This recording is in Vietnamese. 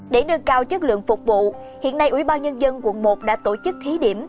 để nâng cao chất lượng phục vụ hiện nay ủy ban nhân dân quận một đã tổ chức thí điểm